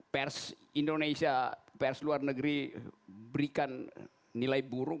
pers indonesia pers luar negeri berikan nilai buruk